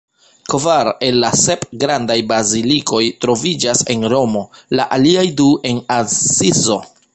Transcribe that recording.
Kvar el la sep grandaj bazilikoj troviĝas en Romo, la aliaj du en Asizo.